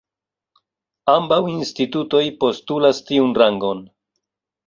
Ambaŭ institutoj postulas tiun rangon.